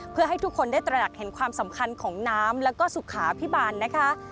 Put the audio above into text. เพื่อให้ทุกคนได้ตระหนักเห็นความสำคัญของน้ำแล้วก็สุขาพิบาลนะคะ